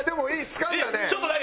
つかんだね。